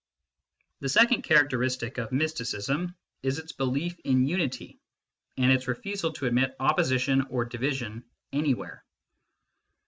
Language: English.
The second characteristic of mysticism is its belief in unity, and its refusal to admit opposition or division anywhere.